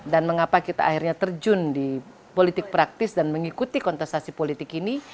dan mengapa kita akhirnya terjun di politik praktis dan mengikuti kontestasi politik ini